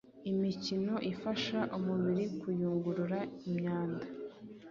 Imikino ifasha umubiri kuyungurura imyanda.